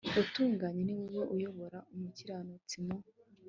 utunganye ni wowe uyobora umukiranutsi mu